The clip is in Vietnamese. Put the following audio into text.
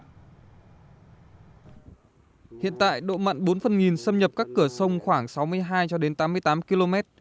hiện tại độ mặn bốn phân nghìn xâm nhập các cửa sông khoảng sáu mươi hai tám mươi tám km